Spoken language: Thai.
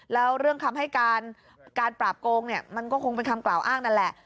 แล้วเรื่องคำให้การการปราบโกงเนี่ยมันก็คงเป็นคำกล่าวอ้างนั่นแหละ